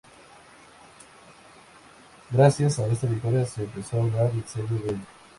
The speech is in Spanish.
Gracias a esta victoria se empezó a hablar en serio de ella.